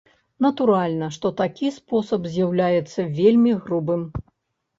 Натуральна, што такі спосаб з'яўляецца вельмі грубым.